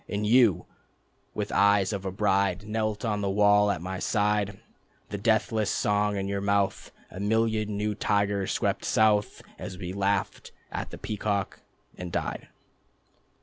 And you, with eyes of a bride, Knelt on the wall at my side, The deathless song in your mouth ... A million new tigers swept south ... As we laughed at the peacock, and died.